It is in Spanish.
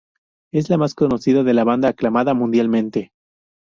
Es la más conocida de la banda y aclamada mundialmente.